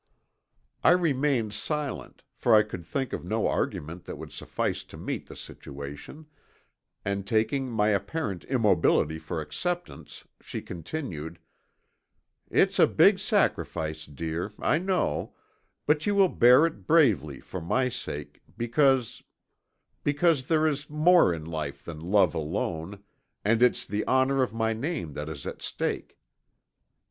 I remained silent, for I could think of no argument that would suffice to meet the situation, and taking my apparent immobility for acceptance, she continued: "It's a big sacrifice, dear, I know, but you will bear it bravely for my sake, because because there is more in life than love alone and it's the honor of my name that is at stake."